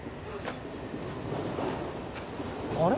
あれ？